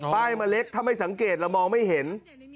ป้ายมาเล็กถ้าไม่สังเกตมองไม่เห็น